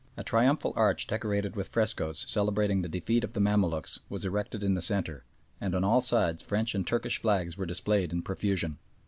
A triumphal arch decorated with frescoes celebrating the defeat of the Mamaluks, was erected in the centre, and on all sides French and Turkish flags were displayed in profusion.